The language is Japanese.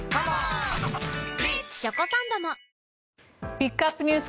ピックアップＮＥＷＳ